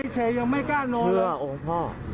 เชื่อองค์พ่อ